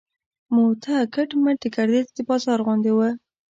موته کټ مټ د ګردیز د بازار غوندې و.